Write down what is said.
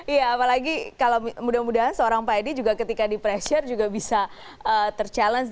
iya apalagi kalau mudah mudahan seorang pak edi juga ketika di pressure juga bisa ter challenge